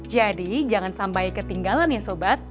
jadi jangan sampai ketinggalan ya sobat